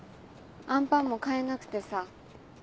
あんパンも買えなくてさ。